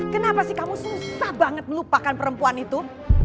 kenapa sih kamu susah banget melupakan perempuan itu